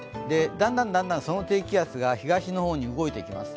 だんだんその低気圧が東の方に動いていきます。